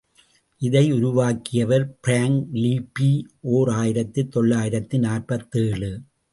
இதை உருவாக்கியவர் Frank Libby, ஓர் ஆயிரத்து தொள்ளாயிரத்து நாற்பத்தேழு.